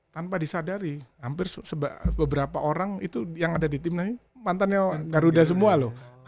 tanpa disadari hampir beberapa orang itu yang ada di timnas ini mantannya garuda semua loh